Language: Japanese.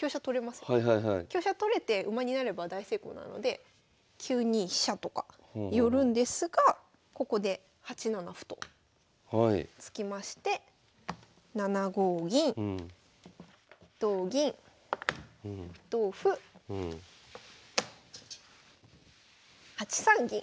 香車取れて馬に成れば大成功なので９二飛車とか寄るんですがここで８七歩と突きまして７五銀同銀同歩８三銀。